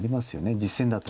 実戦だと。